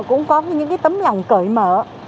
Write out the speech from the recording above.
họ cũng có những cái tấm lòng cởi mở